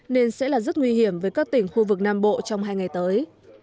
nên sẽ là rất nguy hiểm với các tỉnh khu vực nam bộ trong hai ngày tới